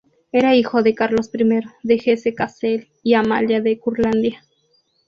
Era hijo de Carlos I de Hesse-Kassel y Amalia de Curlandia.